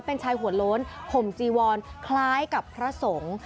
เป็นชายหัวโล้นห่มจีวอนคล้ายกับพระสงฆ์